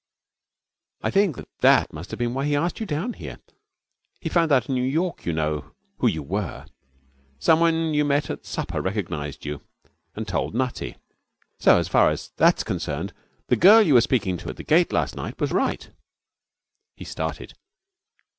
I think that that must have been why he asked you down here. He found out in New York, you know, who you were. Someone you met at supper recognized you, and told Nutty. So, as far as that is concerned, the girl you were speaking to at the gate last night was right.' He started.